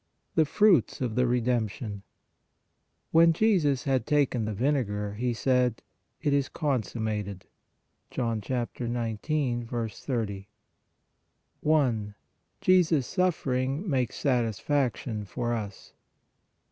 THE FRUITS OF THE REDEMPTION " When Jesus had taken the vinegar, He said : It is con summated" (John 19. 30). I. JESUS SUFFERING MAKES SATISFACTION FOR US.